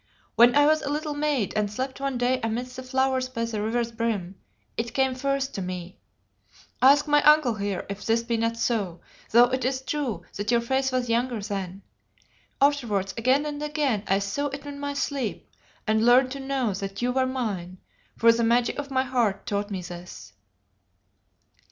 When I was a little maid and slept one day amidst the flowers by the river's brim, it came first to me ask my uncle here if this be not so, though it is true that your face was younger then. Afterwards again and again I saw it in my sleep and learned to know that you were mine, for the magic of my heart taught me this.